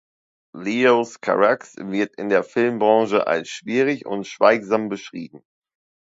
Leos Carax wird in der Filmbranche als schwierig und schweigsam beschrieben.